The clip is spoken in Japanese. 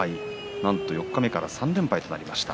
なんと四日目から３連敗となりました。